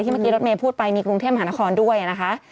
ก็คือมีรถเมฏพูดไปมีกรุงเทพหานครด้วยนะคะ